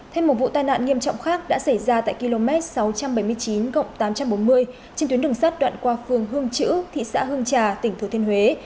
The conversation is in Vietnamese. thêm một vụ tai nạn nghiêm trọng khác đã xảy ra tại km sáu trăm bảy mươi chín tám trăm bốn mươi trên tuyến đường sắt đoạn qua phường hương chữ thị xã hương trà tỉnh thừa thiên huế